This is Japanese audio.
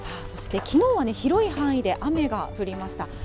そしてきのうは広い範囲で雨が降りました。